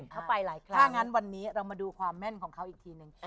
ถ้านั้นวันนี้เรามาดูความแม่นของเขาอีกทีนึง